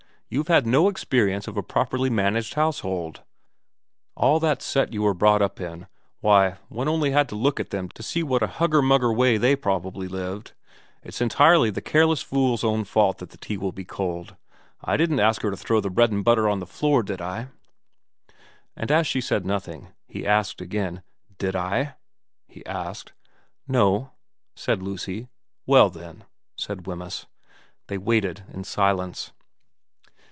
You've had no experience of a properly managed household. All that set you were brought up in why, one only had to look at them to see what a hugger mugger way they probably lived. It's entirely the careless fool's own fault that the tea will be cold. I didn't ask her to throw the bread and butter on the floor, did I ?' And as she said nothing, he asked again. ' Did I ?' he asked. ' No,' said Lucy. ' Well then,' said Wemyss. They waited in silence.